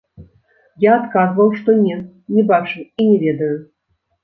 Я адказваў, што не, не бачыў і не ведаю.